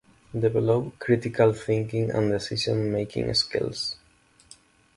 Develop critical thinking and decision-making skills.